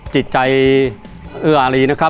จิตใจอื่ออลี